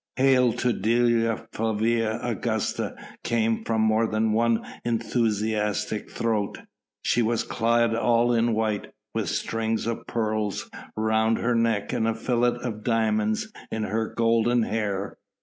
"Hail to Dea Flavia Augusta!" came from more than one enthusiastic throat. She was clad all in white, with strings of pearls round her neck and a fillet of diamonds in her golden hair.